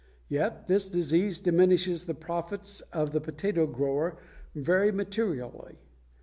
Yet this disease diminishes the profits of the potato grower very materially.